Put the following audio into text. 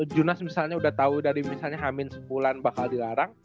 junas misalnya udah tau dari misalnya hamil sepuluhan bakal dilarang